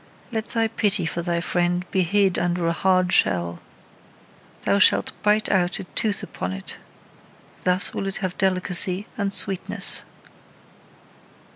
Let thy pity for thy friend be hid under a hard shell; thou shalt bite out a tooth upon it. Thus will it have delicacy and sweetness.